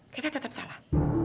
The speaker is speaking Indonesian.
kita tetap salah